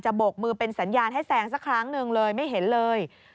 บกมือเป็นสัญญาณให้แซงสักครั้งหนึ่งเลยไม่เห็นเลย